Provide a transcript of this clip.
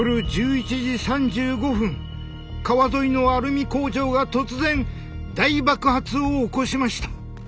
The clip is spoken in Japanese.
川沿いのアルミ工場が突然大爆発を起こしました。